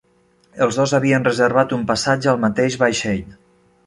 Els dos havien reservat un passatge al mateix vaixell.